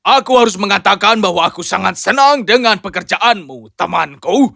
aku harus mengatakan bahwa aku sangat senang dengan pekerjaanmu temanku